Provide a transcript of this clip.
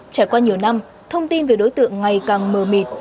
trải qua nhiều năm thông tin về đối tượng ngày càng mờ mịt